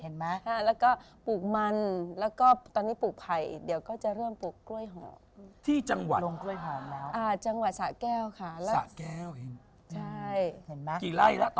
จังหวัดสะแก้วค่ะกี่ไล่แล้วตอนนี้